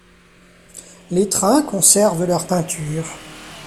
Les trains conservent leurs peintures.